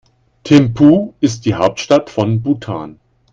Thimphu ist die Hauptstadt von Bhutan.